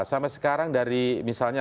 sampai sekarang dari misalnya